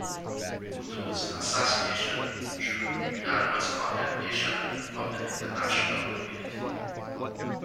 Bhutto's assassination drew unanimous condemnation from the international community.